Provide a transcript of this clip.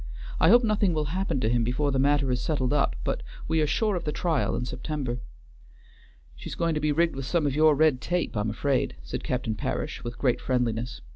I hope nothing will happen to him before the matter is settled up, but we are sure of the trial in September." "She's going to be rigged with some of your red tape, I'm afraid," said Captain Parish, with great friendliness.